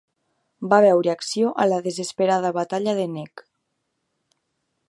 Va veure acció a la desesperada batalla de Nek.